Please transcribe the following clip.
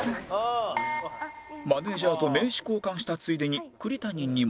マネージャーと名刺交換したついでに栗谷にも